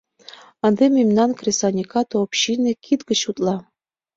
Ынде мемнан кресаньыкат общине кид гыч утла.